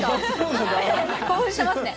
興奮してますね。